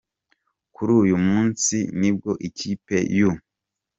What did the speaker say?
Kuri uyu munsi nibwo ikipe y’u